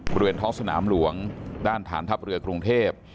บริเวณท้องสนามหลวงด้านฐานทัพเรือกรุงเทพ